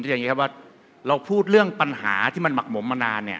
อย่างนี้เราพูดเรื่องปัญหาที่มักหมมมานาน